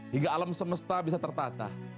hingga alam semesta bisa tertata